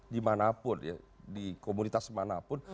dimanapun ya di komunitas manapun